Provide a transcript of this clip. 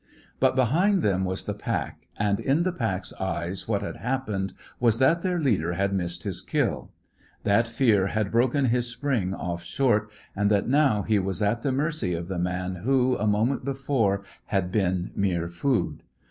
But behind them was the pack, and in the pack's eyes what had happened was that their leader had missed his kill; that fear had broken his spring off short, and that now he was at the mercy of the man who, a moment before, had been mere food.